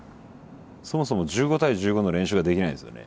そもそも１５対１５の練習ができないんですよね。